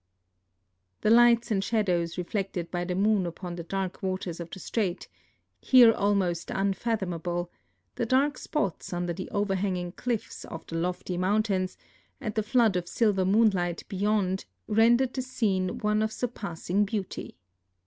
The lights and shadows reflected by the moon u})on the dark waters of the strait — here almost unfathomable — the dark spots under the overhanging cliffs of the lofty mountains, and the flood of silver moonlight bej'ond rendered the scene one of sur passing beauty.